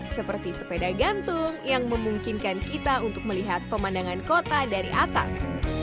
seperti sepeda gantung yang memungkinkan kita untuk melihat pemandangan kota dari atas